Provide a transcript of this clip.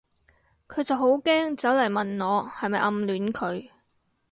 佢就好驚走嚟問我係咪暗戀佢